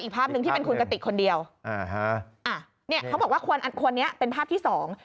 ภาพหนึ่งที่เป็นคุณกติกคนเดียวอ่าฮะอ่าเนี่ยเขาบอกว่าคนอันคนนี้เป็นภาพที่สอง